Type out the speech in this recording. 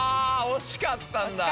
惜しかったんだ。